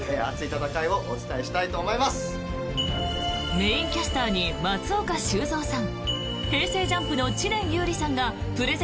メインキャスターに松岡修造さん。